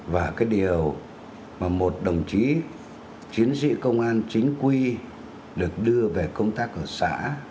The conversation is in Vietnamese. và cái điều mà một đồng chí chiến sĩ công an chính quy được đưa về công tác ở xã